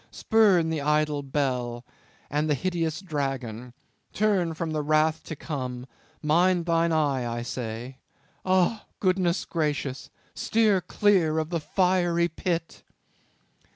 Spurn the idol Bell, and the hideous dragon; turn from the wrath to come; mind thine eye, I say; oh! goodness gracious! steer clear of the fiery pit!"